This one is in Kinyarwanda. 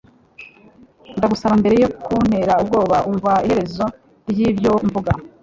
Ndagusaba mbere yo kuntera ubwoba umva iherezo ryibyo mvuga